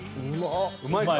うまいか？